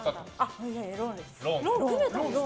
ローンです。